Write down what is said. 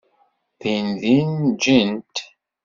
Dindin jjint.